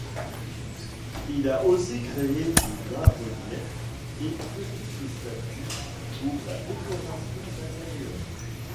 Il a aussi crée des bas-reliefs et petites statues pour la décoration d'intérieurs.